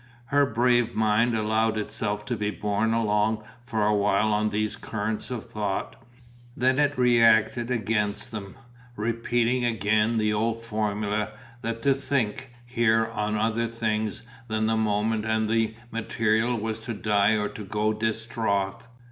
Her brave mind allowed itself to be borne along for a while on these currents of thought, then it reacted against them, repeating again the old formula that to think, here, on other things than the moment and the material was to die or go distraught.